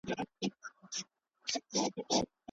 زیار باید پر ځان ومنل سي.